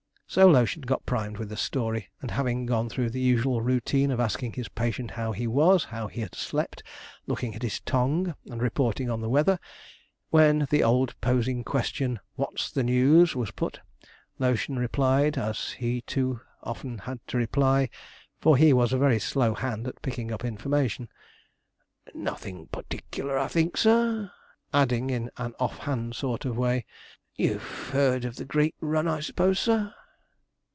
So Lotion got primed with the story, and having gone through the usual routine of asking his patient how he was, how he had slept, looking at his tongue, and reporting on the weather, when the old posing question, 'What's the news?' was put, Lotion replied, as he too often had to reply, for he was a very slow hand at picking up information. 'Nothin' particklar, I think, sir,' adding, in an off hand sort of way, 'you've heard of the greet run, I s'pose, sir?'